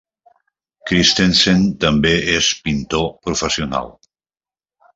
Christensen també és pintor professional.